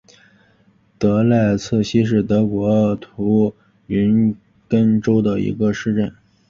德赖茨希是德国图林根州的一个市镇。